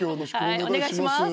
お願いします。